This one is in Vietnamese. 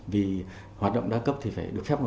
vì hoạt động đa cấp thì phải được phép